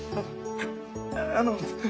あの。